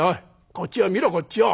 こっちを見ろこっちを！